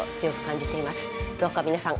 どうか皆さん